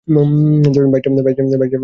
বাইকটা অন্য কার, স্যার।